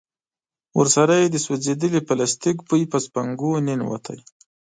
ورسره يې د سوځېدلي پلاستيک بوی پر سپږمو ننوت.